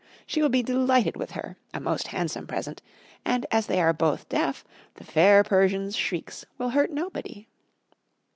She will be delighted with her a most handsome present and as they are both deaf, the fair Persian's shrieks will hurt nobody.